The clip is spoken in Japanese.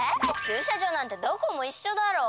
駐車場なんてどこもいっしょだろ。